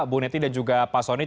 bu neti dan juga pak soni